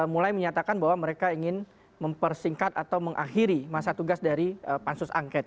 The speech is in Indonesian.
mulai menyatakan bahwa mereka ingin mempersingkat atau mengakhiri masa tugas dari pansus angket